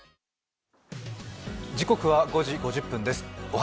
時刻は５時５０分です。